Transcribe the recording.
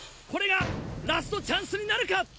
これがラストチャンスになるか？